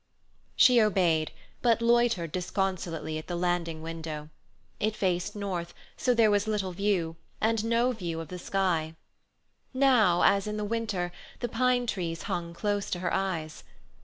She obeyed, but loitered disconsolately at the landing window. It faced north, so there was little view, and no view of the sky. Now, as in the winter, the pine trees hung close to her eyes.